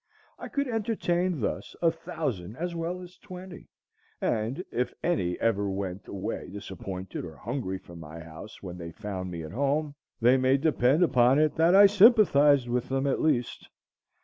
I could entertain thus a thousand as well as twenty; and if any ever went away disappointed or hungry from my house when they found me at home, they may depend upon it that I sympathized with them at least.